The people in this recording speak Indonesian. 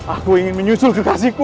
aku ingin menyusul kekasihku